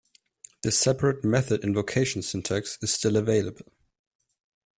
The separate method invocation syntax is still available.